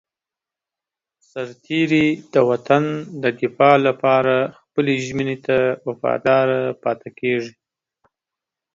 سرتېری د وطن د دفاع لپاره خپلې ژمنې ته وفادار پاتې کېږي.